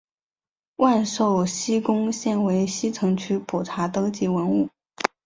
万寿西宫现为西城区普查登记文物。